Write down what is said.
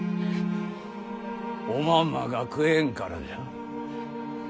おまんまが食えんからじゃ。